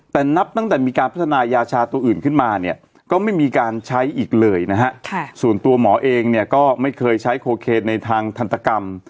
แต่นับตั้งแต่มีการพัฒนายาชาตัวอื่นขึ้นมาเนี่ยก็ไม่มีการใช้อีกเลยนะฮะส่วนตัวหมอเองเนี่ยก็ไม่เคยใช้โคเคนในทางทันตกรรม